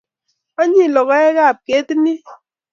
Onyiny logoekab ketit ni